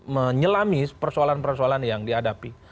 menyelami persoalan persoalan yang dihadapi